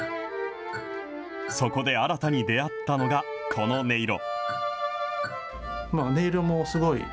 そこで新たに出会ったのが、この音色。